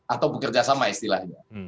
atau bekerja sama istilahnya